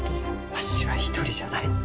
わしは一人じゃない。